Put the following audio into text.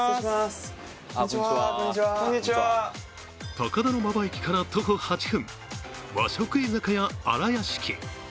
高田馬場駅から徒歩８分、和食居酒屋新屋敷。